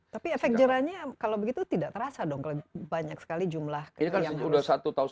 tapi efek jerahnya kalau begitu tidak terasa dong kalau banyak sekali jumlah yang harus